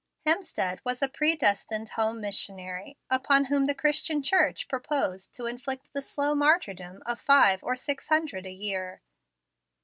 Hemstead was a predestined home missionary, upon whom the Christian Church proposed to inflict the slow martyrdom of five or six hundred a year.